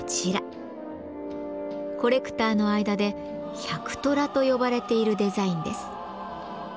コレクターの間で「百虎」と呼ばれているデザインです。